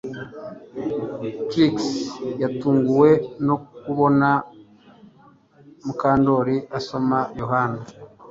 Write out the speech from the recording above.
Trix yatunguwe no kubona Mukandoli asoma Yohana